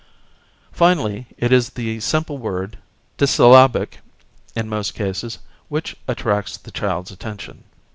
Finally it is the simple word, dissyllabic in most cases, which attracts the child's attention.